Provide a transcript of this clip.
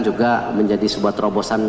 juga menjadi sebuah terobosan